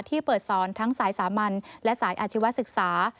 ที่เปิดสอนทั้งสายสามัญและสายอาชีวศึกษา